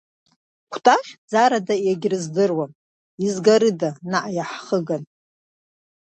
Кәтаӷь ӡарада егьрыздыруам, изгарыда наҟиаҳхыган?